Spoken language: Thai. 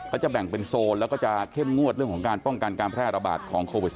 จะแบ่งเป็นโซนแล้วก็จะเข้มงวดเรื่องของการป้องกันการแพร่ระบาดของโควิด๑